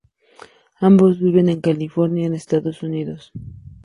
Ambos viven en California, en Estados Unidos.